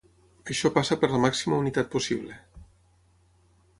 Això passa per la màxima unitat possible.